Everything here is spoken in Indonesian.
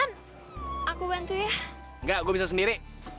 nggak gue bisa sendiri